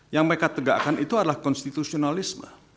yang mereka tegakkan itu adalah konstitusionalisme